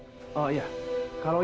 iis sudah berdosa